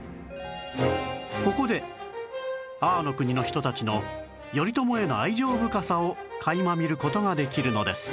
ここで安房国の人たちの頼朝への愛情深さを垣間見る事ができるのです